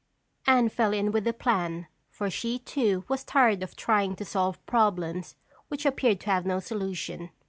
Anne fell in with the plan for she too was tired of trying to solve problems which appeared to have no solution.